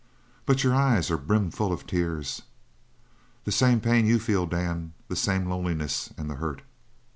"But your eyes are brimful of tears!" "The same pain you feel, Dan; the same loneliness and the hurt."